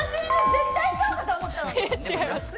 絶対そうだと思ったのに！